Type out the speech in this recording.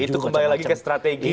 itu kembali lagi ke strategi